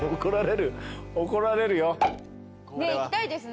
ねえ行きたいですね。